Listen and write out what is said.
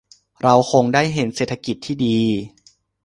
เราคงได้เห็นเศรษฐกิจที่ดี